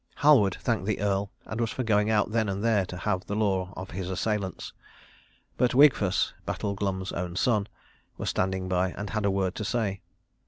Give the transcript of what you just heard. Halward thanked the Earl and was for going out then and there to have the law of his assailants; but Wigfus, Battle Glum's own son, was standing by, and had a word to say.